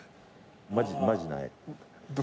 マジない。